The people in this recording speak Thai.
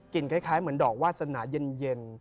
คล้ายเหมือนดอกวาสนาเย็น